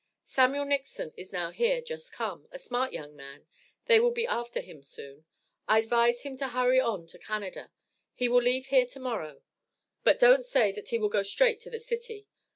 Samuel Nixon is now here, just come a smart young man they will be after him soon. I advise him to hurry on to Canada; he will leave here to morrow, but don't say that he will go straight to the city.